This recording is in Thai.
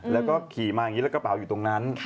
แล้วก็ขี่มาอย่างนี้แล้วกระเป๋าอยู่ตรงนั้น